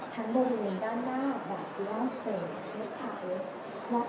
ทั้งบริเวณด้านหน้าแบบวิวัลสเตยสตาร์ส